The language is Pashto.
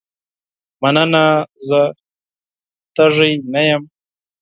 مننه زه تږې نه یم.